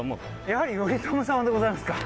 やはり頼朝様でございますか？